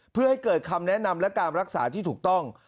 เพื่อให้เกิดคำแนะนำและการรักษาที่ถูกต้อง